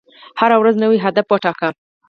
هره ورځ نوی هدف وټاکئ.